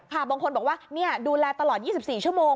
บางคนบอกว่าดูแลตลอด๒๔ชั่วโมง